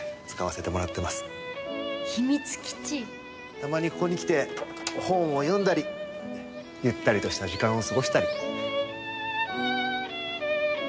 たまにここに来て本を読んだりゆったりとした時間を過ごしたり。